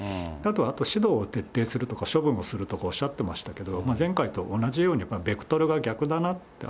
あとは指導を徹底するとか、処分をするとかおっしゃってましたけど、前回と同じように、ベクトルが逆だなと。